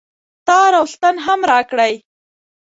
تار او ستن هم راکړئ